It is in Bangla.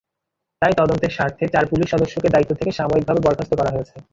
তাই তদন্তের স্বার্থে চার পুলিশ সদস্যকে দায়িত্ব থেকে সাময়িকভাবে বরখাস্ত করা হয়েছে।